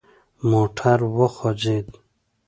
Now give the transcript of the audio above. موټر وخوځید.